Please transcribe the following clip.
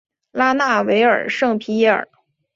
拉纳维尔圣皮耶尔。